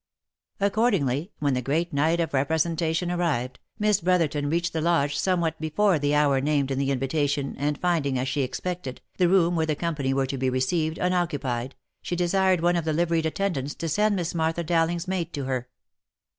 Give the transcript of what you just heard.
Accordingly, when the great night of representation arrived, Miss Brotherton reached the Lodge somewhat before the hour named in the invitation, and finding, as she expected, the room where the company were to be received, unoccupied, she desired one of the liveried attendants to send Miss Martha Dowling's maid to her.